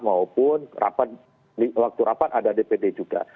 maupun waktu rapat ada dpd juga